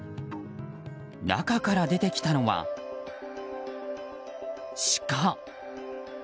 中から出てきたのは、シカ。